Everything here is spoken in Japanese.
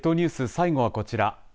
最後はこちら。